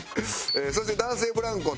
そして男性ブランコ。